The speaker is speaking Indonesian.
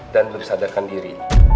dan bersadarkan diri